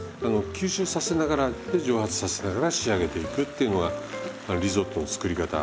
吸収させながらで蒸発させながら仕上げていくっていうのがリゾットの作り方。